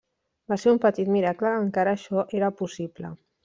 Va ser un petit miracle que encara això era possible.